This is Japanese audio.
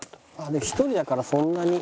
で１人だからそんなに。